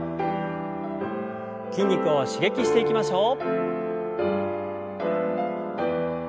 筋肉を刺激していきましょう。